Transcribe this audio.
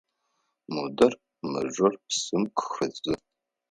Мудар мыжъор псым къыхедзы.